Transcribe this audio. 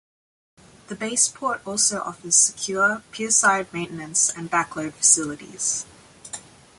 The base port also offers secure, pier-side maintenance and back-load facilities.